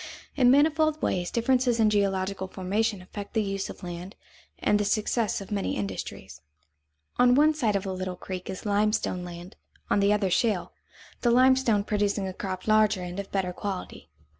In manifold ways differences in geological formation affect the use of land and the success of many industries. On one side of a little creek is limestone land, on the other shale, the limestone producing a crop larger and of better quality.